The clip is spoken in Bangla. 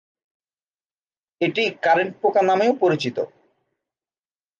এটি কারেন্ট পোকা নামেও পরিচিত।